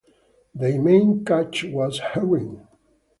The main catch was herring.